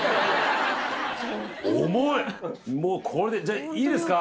もうこれじゃあいいですか？